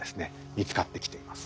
見つかってきています。